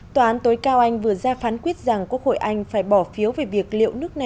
tòa án tối cao anh vừa ra phán quyết rằng quốc hội anh phải bỏ phiếu về việc liệu nước này